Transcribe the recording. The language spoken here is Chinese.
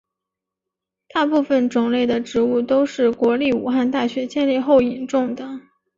大部分种类的植物都是国立武汉大学建立后引种的。